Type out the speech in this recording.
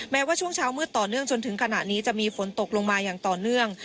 แม้ว่าช่วงเช้ามืดต่อเนื่องจนถึงขณะนี้จะมีฝนตกลงมาอย่างต่อเนื่อง